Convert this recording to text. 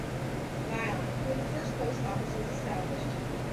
Zion when the first post office was established.